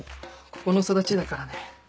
ここの育ちだからね。